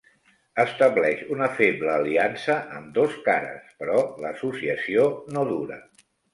Estableix una feble aliança amb Dos-Cares, però l'associació no dura.